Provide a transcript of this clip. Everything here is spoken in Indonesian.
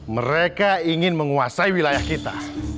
mereka ingin menguasai wilayah kita